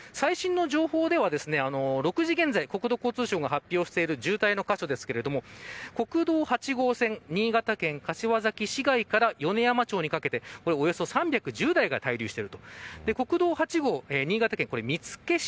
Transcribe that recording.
一応、最新の情報では６時現在国土交通省が発表してる渋滞の箇所ですけれども国道８号線、新潟県柏崎市外から米山町にかけておよそ３１０台が滞留している。